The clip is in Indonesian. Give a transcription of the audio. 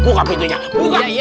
buka pintunya buka pintunya